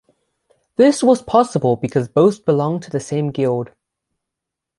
This was possible because both belonged to the same guild.